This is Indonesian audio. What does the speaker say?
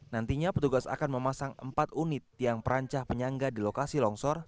nantinya petugas akan memasang empat unit tiang perancah penyangga di lokasi longsor